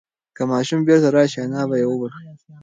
که ماشوم بیرته راشي انا به یې وبښي.